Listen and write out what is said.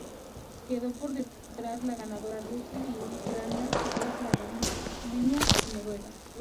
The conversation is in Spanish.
Quedó por detrás de la ganadora, Rusia, y de Ucrania, Grecia, Armenia y Noruega.